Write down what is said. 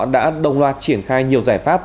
đã đồng loạt triển khai nhiều giải pháp